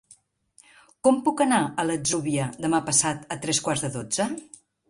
Com puc anar a l'Atzúbia demà passat a tres quarts de dotze?